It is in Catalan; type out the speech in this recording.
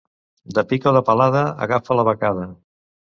De pic o de palada agafa la becada.